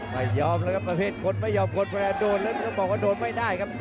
ไม่ยอมแล้วครับประเภทคนไม่ยอมคนเวลาโดนแล้วต้องบอกว่าโดนไม่ได้ครับ